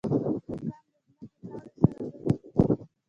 چرګان د ځمکې خاورې سره لوبې کوي.